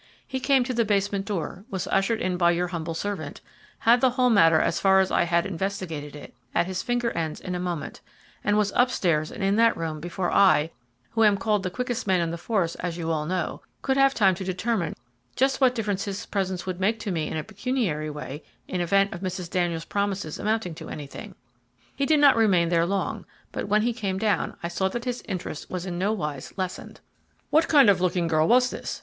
He came to the basement door, was ushered in by your humble servant, had the whole matter as far as I had investigated it, at his finger ends in a moment, and was up stairs and in that room before I, who am called the quickest man in the force as you all know, could have time to determine just what difference his presence would make to me in a pecuniary way in event of Mrs. Daniels' promises amounting to anything. He did not remain there long, but when he came down I saw that his interest was in no wise lessened. "What kind of a looking girl was this?"